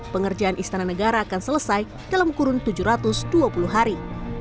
pengerjaan istana negara akan selesai dalam kurun tujuh ratus dua puluh hari